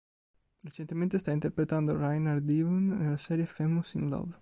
Recentemente sta interpretando Rainer Devon nella serie "Famous in Love".